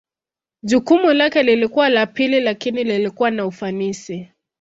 Jukumu lake lilikuwa la pili lakini lilikuwa na ufanisi.